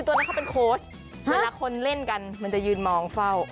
เวลาคนเล่นกันมันจะยืนมองเฝ้า